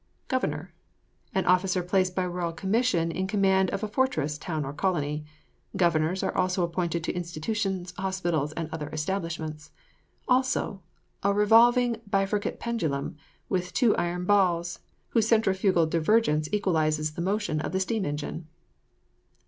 GOVERNOR. An officer placed by royal commission in command of a fortress, town, or colony. Governors are also appointed to institutions, hospitals, and other establishments. Also, a revolving bifurcate pendulum, with two iron balls, whose centrifugal divergence equalizes the motion of the steam engine.